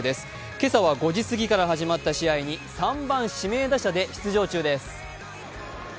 今朝は５時すぎから始まった試合に３番・指名打者で出場中です。